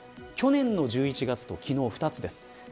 去年の１１月と昨日の２つです。